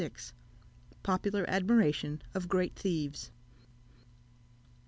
] POPULAR ADMIRATION OF GREAT THIEVES.